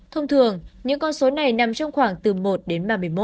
thông thường những con số này nằm trong khoảng từ một đến ba mươi một